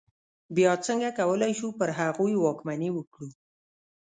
بیا څنګه کولای شو پر هغوی واکمني وکړو.